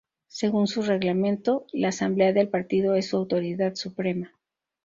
Según su reglamento, la Asamblea del Partido es su autoridad suprema.